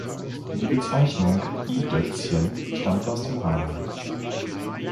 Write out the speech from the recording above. Die Bezeichnung "i-Dötzchen" stammt aus dem Rheinland.